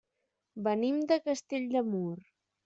Venim de Castell de Mur.